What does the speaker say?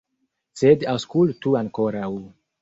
Sed aŭskultu ankoraŭ.